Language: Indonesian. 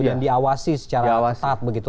dan diawasi secara ketat begitu